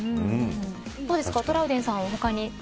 どうですか、トラウデンさん